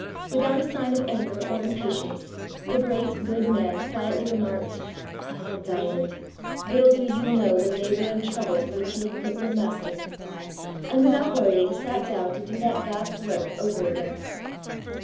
Without a sign of anger or impatience, the great, good man quietly remarked, ' Ah, Diamond, little do you know the labour and trouble to which you have put your master !' and without worrying sat down to do that vast work over again.